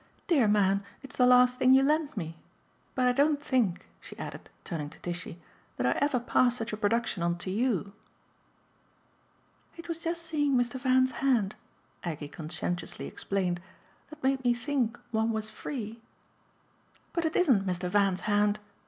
"Dear man, it's the last thing you lent me! But I don't think," she added, turning to Tishy, "that I ever passed such a production on to YOU." "It was just seeing Mr. Van's hand," Aggie conscientiously explained, "that made me think one was free !" "But it isn't Mr. Van's hand!"